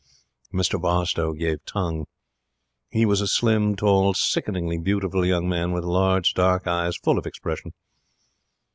Mr Barstowe gave tongue. He was a slim, tall, sickeningly beautiful young man, with large, dark eyes, full of expression.